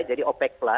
jadi opec plus